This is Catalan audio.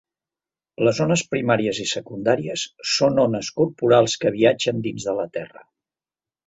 Les ones primàries i secundàries són ones corporals que viatgen dins de la Terra.